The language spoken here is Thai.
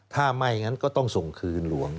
ถ้าไม่งั้นก็ต้องส่งคืนหลวง